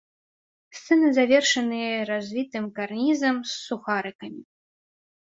Сцены завершаныя развітым карнізам з сухарыкамі.